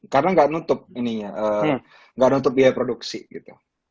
karena nggak nutup biaya produksi gitu